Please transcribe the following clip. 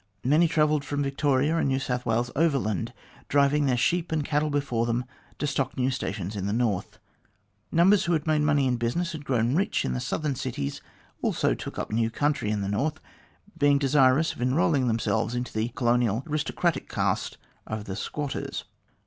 Many travelled from Victoria and New South "Wales overland, driving their sheep and cattle before them to stock their new stations in the North. Numbers who had made money in business and grown rich in the southern cities also took up new country in the North, being desirous of enrolling themselves in the colonial aristocratic caste of the " squatters."